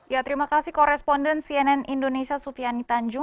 ya terima kasih puan